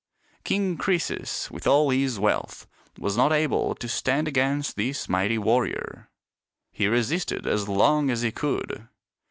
King Crcesus with all his wealth was not able to stand against this mighty warrior. He resisted as long as he could.